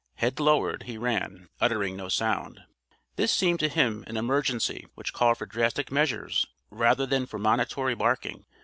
Head lowered, he ran, uttering no sound. This seemed to him an emergency which called for drastic measures rather than for monitory barking.